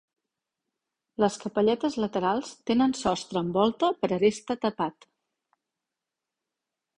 Les capelletes laterals tenen sostre amb volta per aresta tapat.